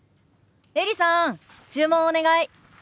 エリさん注文お願い。